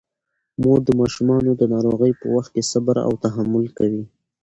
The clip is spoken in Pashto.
مور د ماشومانو د ناروغۍ په وخت کې صبر او تحمل کوي.